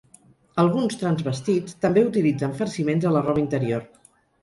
Alguns transvestits també utilitzen farciments a la roba interior.